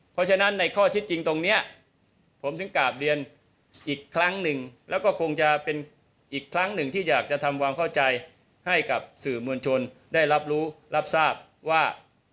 เพราะฉะนั้นในข้อที่จริงตรงนี้ผมถึงกราบเรียนอีกครั้งหนึ่งแล้วก็คงจะเป็นอีกครั้งหนึ่งที่อยากจะทำความเข้าใจให้กับสื่อมวลชนได้รับรู้รับทราบว่า